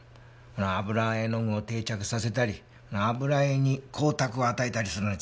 油絵の具を定着させたり油絵に光沢を与えたりするのに使うんだよ。